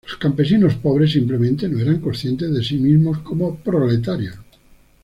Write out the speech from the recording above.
Los campesinos pobres simplemente no eran conscientes de sí mismos como 'proletarios'.